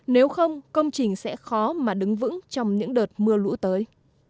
nếu không công trình sẽ khó mà đứng vững trong những đợt mưa lũ tới